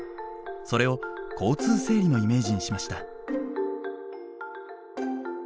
それを交通整理のイメージにしました。